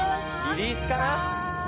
リリースかな。